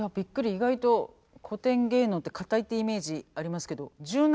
意外と古典芸能って硬いってイメージありますけど柔軟ですね。